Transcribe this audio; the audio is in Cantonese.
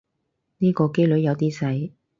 呢個機率有啲細